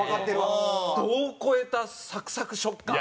度を超えたサクサク食感。